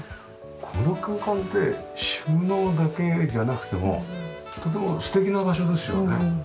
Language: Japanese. この空間って収納だけじゃなくてもとても素敵な場所ですよね。